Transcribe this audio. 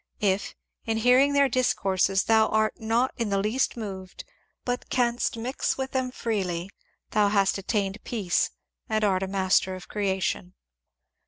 If, in hearing their discourses, thou art not in the least moved, but canst mix with them freely, thou hast attained peace and art a master of creation."